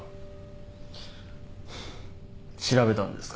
調べたんですか。